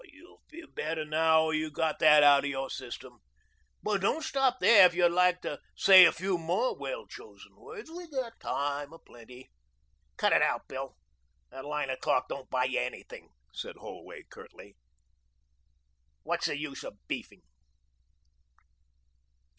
"You'll feel better now you've got that out of your system. But don't stop there if you'd like to say a few more well chosen words. We got time a plenty." "Cut it out, Bill. That line o' talk don't buy you anything," said Holway curtly. "What's the use of beefing?"